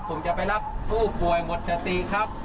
ผมจะไปรับผู้ป่วยหมดสติครับ